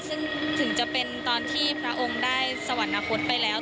ซึ่งถึงจะเป็นตอนที่พระองค์ได้สวรรคตไปแล้ว